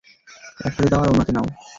এক হাতে দাও, আর অন্য হাতে নাও।